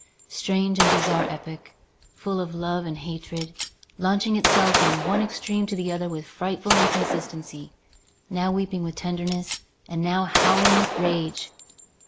Strange and bizarre epoch, full of love and hatred, launching itself from one extreme to the other with frightful inconstancy, now weeping with tenderness, and now howling with rage!